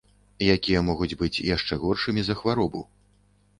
Якія могуць быць яшчэ горшымі за хваробу.